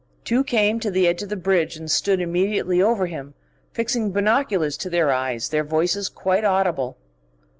Two came to the edge of the bridge and stood immediately over him, fixing binoculars to their eyes, their voices quite audible.